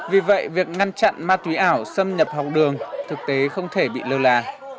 vì vậy việc ngăn chặn ma túy ảo xâm nhập học đường thực tế không thể bị lơ là